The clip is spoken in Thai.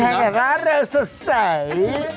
แทงกับร้านเริ่มสดใส